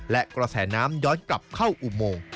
และกระแสน้ำย้อนกลับเข้าอุโมง